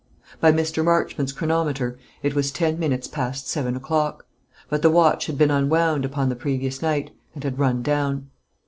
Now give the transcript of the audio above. By Mr. Marchmont's chronometer it was ten minutes past seven o'clock; but the watch had been unwound upon the previous night, and had run down.